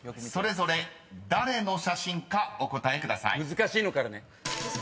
難しいのからね。